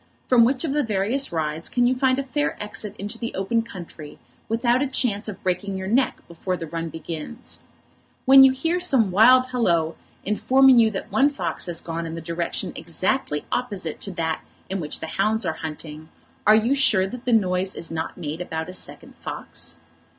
From which of the various rides can you find a fair exit into the open country, without a chance of breaking your neck before the run begins? When you hear some wild halloa, informing you that one fox has gone in the direction exactly opposite to that in which the hounds are hunting, are you sure that the noise is not made about a second fox?